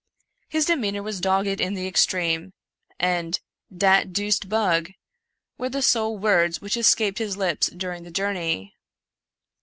His demeanor was dogged in the extreme, and " dat deuced bug " were the sole words which escaped his lips during the journey.